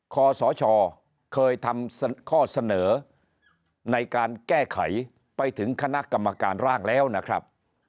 คอสชเคยทำข้อเสนอในการแก้ไขไปถึงคณะกรรมการร่างแล้วนะครับ